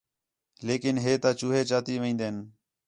لیکن ہِے تا چوہے چاتی وین٘دِن